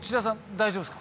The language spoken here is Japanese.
大丈夫です。